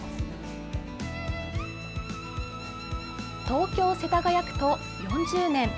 東京・世田谷区と４０年。